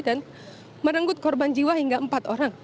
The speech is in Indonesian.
dan merenggut korban jiwa hingga empat orang